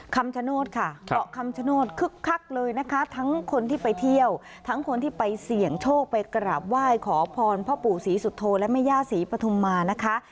คำชโนธค่ะเกาะคำชโนธคึกคักเลยนะคะทั้งคนที่ไปเที่ยวทั้งคนที่ไปเสี่ยงโชคไปกราบไหว้ขอพรพ่อปู่ศรีสุโธและแม่ย่าศรีปฐุมมานะคะ